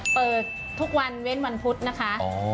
เปิดทุกวันเว้นวันพุธนะคะ